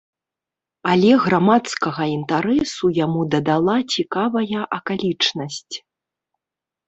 Але грамадскага інтарэсу яму дадала цікавая акалічнасць.